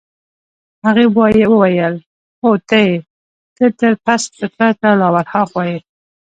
هغې وویل: هو ته يې، ته تر پست فطرته لا ورهاخوا يې.